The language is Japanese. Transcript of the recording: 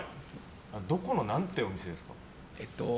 どこの何てお店ですか？